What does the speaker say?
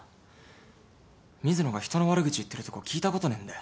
水野が人の悪口言ってるとこ聞いたことねえんだよ。